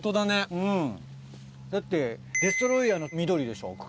うんだってデストロイヤーの緑でしょ茎。